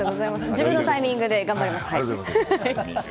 自分のタイミングで頑張ります。